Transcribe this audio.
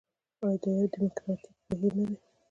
آیا دا یو ډیموکراټیک بهیر نه دی؟